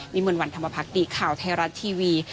มวลวันธรรมพักดีข่าวไทยรัฐทีวี